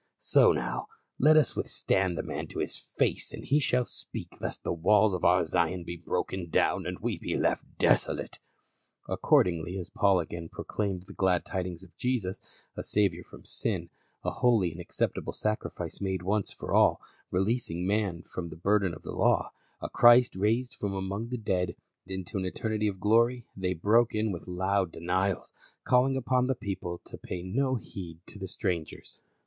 So now let us withstand the man to his face as he shall speak, lest the walls of our Zion be broken down and we be left desolate." Accordingly as Paul again proclaimed the glad tid ings of Jesus, a Saviour from sin, a holy and acceptable sacrifice made once for all, releasing man from the A LIGHT OF THE GENTILES. 287 burden of the law — a Christ raised from amon^r the dead into an eternity of glory, they broke in with loud denials, calling upon the people to pay no heed to the strangers.